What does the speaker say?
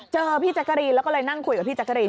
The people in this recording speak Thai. เจอพี่แจ๊กกะรีนแล้วก็เลยนั่งคุยกับพี่แจ๊กรีน